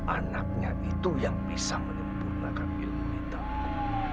anaknya itu yang bisa menyempurnakan ilmu hitam